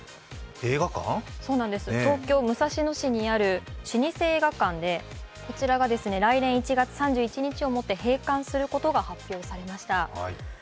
そうなんです、東京・武蔵野市にある老舗の映画館で、こちらが来年１月３１日をもって閉館することが発表されました。